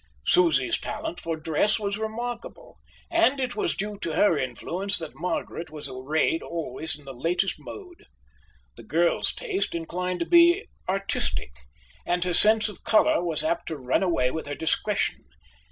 Susie's talent for dress was remarkable, and it was due to her influence that Margaret was arrayed always in the latest mode. The girl's taste inclined to be artistic, and her sense of colour was apt to run away with her discretion.